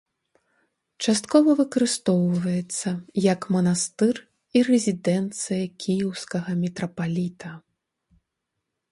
Часткова выкарыстоўваецца, як манастыр і рэзідэнцыя кіеўскага мітрапаліта.